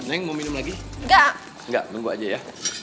enggak enggak nunggu aja ya